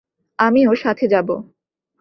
আমিও সাথে যাবো।